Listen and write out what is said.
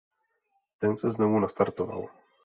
Ten se znovu nastartoval.